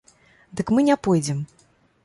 Дык мы не пойдзем.